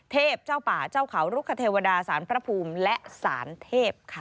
เทพเจ้าป่าเจ้าเขาลูกคเทวดาศาลพระภูมิและศาลเทพ